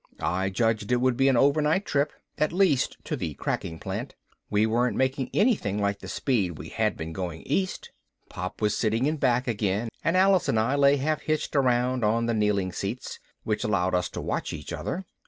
I judged it would be an overnight trip, at least to the cracking plant we weren't making anything like the speed we had been going east. Pop was sitting in back again and Alice and I lay half hitched around on the kneeling seats, which allowed us to watch each other.